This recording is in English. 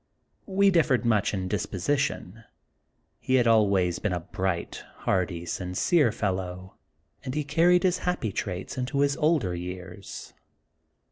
We differed much in disposition. He had always been a bright, hearty, sincere fellow, and he car ried his happy traits into his older years.